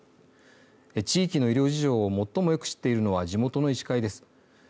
地域の医療事情を最もよく知っているのは地元の医師会です。